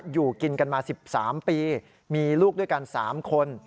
อยู่กินกันมา๑๓ปีมีลูกด้วยกัน๓คน